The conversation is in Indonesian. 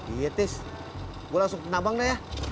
iya tis gue langsung ke abang dah ya